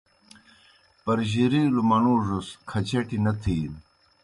پرجِرِیلوْ منُوڙوْس کھچٹیْ نہ تِھینوْ۔